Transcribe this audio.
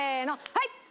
はい！